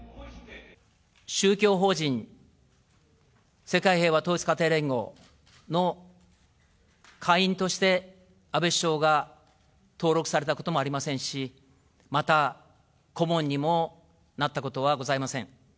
宗教法人世界平和統一家庭連合の会員として、安倍首相が登録されたこともありませんし、また顧問にもなったことはございません。